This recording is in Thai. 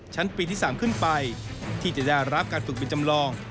ชั้นปีที่๓ขึ้นไปที่จะได้รับการฝึกบินจำลอง